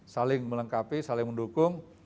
saling melengkapi saling mendukung